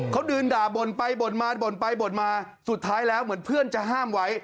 เขาเดินด่าบ่นไปบ่นมาบ่นไปบ่นมาสุดท้ายแล้วเหมือนเพื่อนจะห้ามไว้